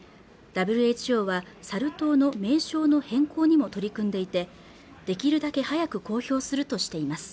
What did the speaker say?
ＷＨＯはサル痘の名称の変更にも取り組んでいてできるだけ早く公表するとしています